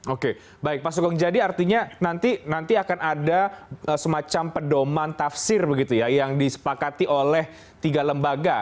oke baik pak sugeng jadi artinya nanti akan ada semacam pedoman tafsir begitu ya yang disepakati oleh tiga lembaga